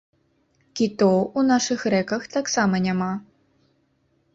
Кітоў у нашых рэках таксама няма.